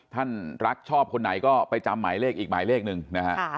ท่านรักชอบคนไหนก็ไปจำหมายเลขอีกหมายเลขหนึ่งนะฮะ